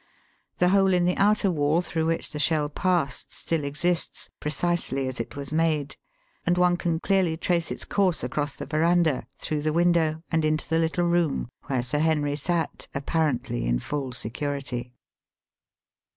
The hole in the outer wall through which the shell passed still exists, precisely as it was made, and one can clearly trace its course across the verandah through the window and into the little room where Sir Henry sat apparently in full security.